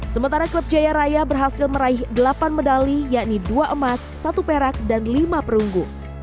sementara klub jaya raya berhasil meraih delapan medali yakni dua emas satu perak dan lima perunggu